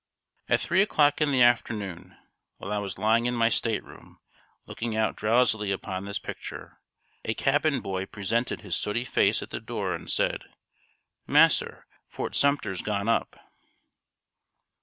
"] At three o'clock in the afternoon, while I was lying in my state room, looking out drowsily upon this picture, a cabin boy presented his sooty face at the door and said, "Mass'r, Fort Sumter's gone up!"